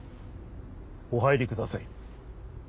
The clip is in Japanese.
お入りください。